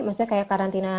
maksudnya kayak karantina